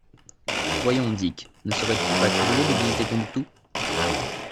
Voyons, Dick, ne serais-tu pas curieux de visiter Tembouctou.